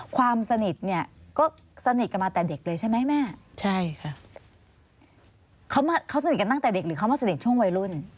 ความสนิทเนี่ยก็สนิทกันมาแต่เด็กเลยใช่ไหมแม่ใช่ค่ะเขาสนิทกันตั้งแต่เด็กหรือเขามาสนิทช่วงวัยรุ่น